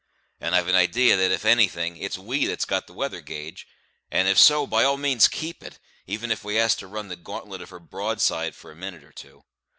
And I've an idee that, if anything, it's we that's got the weather gauge; and if so, by all means keep it, even if we has to run the gauntlet of her broadside for a minute or two.